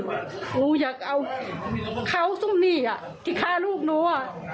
ดูอยากเอาเขาซุ่มนี่อ่ะที่ฆ่าลูกหนูอ่ะ